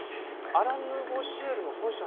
アラン・ヌーボー・シエルの本社？